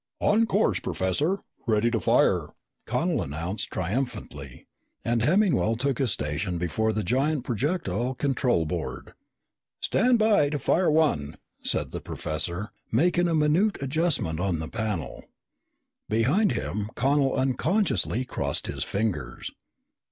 "On course, Professor, ready to fire!" Connel announced triumphantly, and Hemmingwell took his station before the giant projectile control board. "Stand by to fire one!" said the professor, making a minute adjustment on the panel. Behind him, Connel unconsciously crossed his fingers.